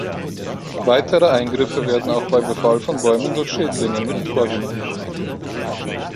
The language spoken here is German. Weitere Eingriffe werden auch bei Befall von Bäumen durch Schädlinge nicht vorgenommen.